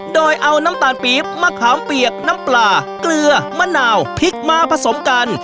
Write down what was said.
โดยเอาน้ำตาลปี๊บมะขามเปียกน้ำปลาเกลือมะนาวพริกมาผสมกัน